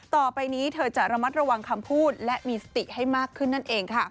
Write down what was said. ต่อไปนี้เธอจะระมัดระวังคำพูดและมีสติให้มากขึ้นนั่นเองค่ะ